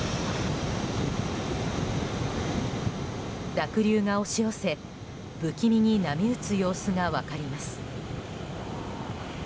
濁流が押し寄せ、不気味に波打つ様子が分かります。